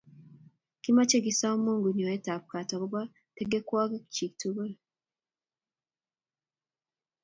Kimochei kosom Mungu nyoetab gat agobo tengekwokikchi tugul